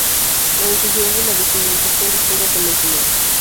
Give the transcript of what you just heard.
la necesidad de la visibilización responde al convencimiento